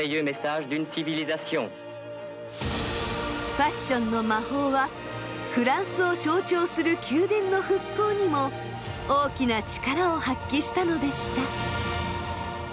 ファッションの魔法はフランスを象徴する宮殿の復興にも大きな力を発揮したのでした。